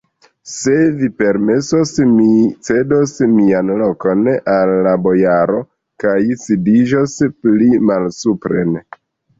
Se vi permesos, mi cedos mian lokon al la bojaro kaj sidiĝos pli malsupren.